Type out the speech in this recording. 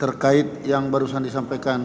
terkait yang barusan disampaikan